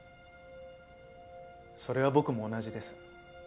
それは僕も同じです。